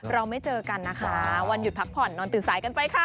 เราไม่เจอกันนะคะวันหยุดพักผ่อนนอนตื่นสายกันไปค่ะ